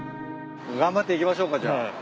頑張って行きましょうかじゃあ。